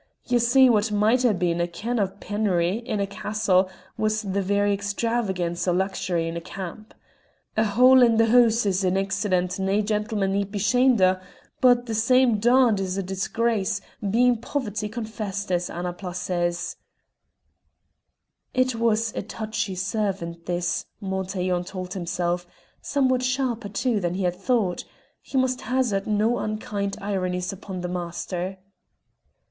Ye see what might hae been a kin' o' penury in a castle was the very extravagance o' luxury in a camp. A hole in the hose is an accident nae gentleman need be ashamed o', but the same darned is a disgrace, bein' poverty confessed, as Annapla says." It was a touchy servant this, Montaiglon told himself somewhat sharper, too, than he had thought: he must hazard no unkind ironies upon the master.